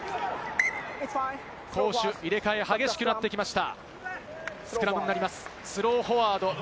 攻守入れ替え、激しくなってきました。